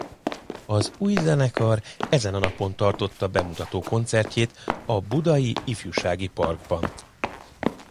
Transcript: Az új zenekar ezen a napon tartotta bemutatkozó koncertjét a Budai Ifjúsági Parkban.